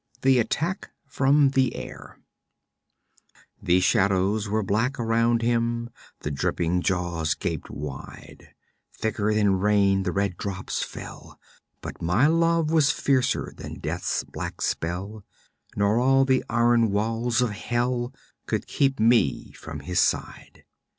4 The Attack from the Air _The shadows were black around him, The dripping jaws gaped wide, Thicker than rain the red drops fell; But my love was fiercer than Death's black spell, Nor all the iron walls of hell Could keep me from his side.